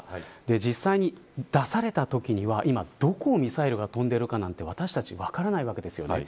実際に出されたときには今、どこをミサイルが飛んでるか、なんて私たち分からないわけですよね。